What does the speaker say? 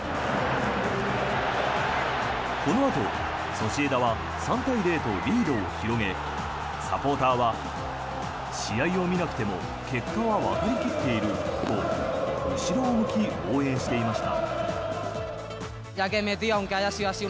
このあと、ソシエダは３対０とリードを広げサポーターは、試合を見なくても結果はわかり切っていると後ろを向き応援していました。